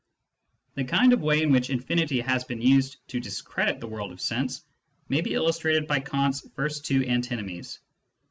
The kind of way in which infinity has been used to discredit the world of sense may be illustrated by Kant's first two antinomies.